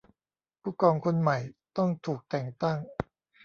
ผู้กองคนใหม่ต้องถูกแต่งตั้ง